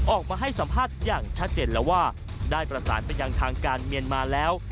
ออกมาให้สัมภาษณ์อย่างชัดเจนแล้วว่าได้ประสานไปยังทางการเมียนมาแล้ว